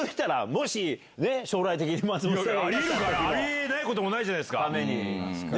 もし、ありえないこともないじゃないですか。